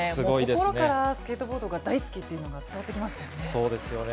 心からスケートボードが大好きっていうのが伝わってきましたよね。